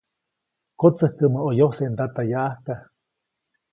Kotsäjkäʼmä ʼo yojse ndata yaʼajka.